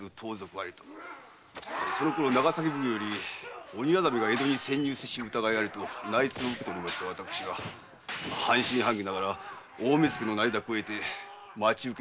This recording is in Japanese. そのころ長崎奉行より鬼薊が江戸に潜入せし疑いありとの内通を受けていた私が半信半疑ながら大目付の内諾を得て待ち受けていたところ。